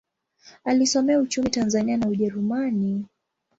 Alisomea uchumi Tanzania na Ujerumani.